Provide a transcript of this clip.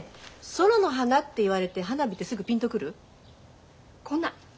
「空の花」って言われて花火ってすぐピンと来る？来ない。